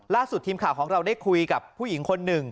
ล่าสุดทีมข่าวของเราได้คุยกับผู้หญิงคนหนึ่ง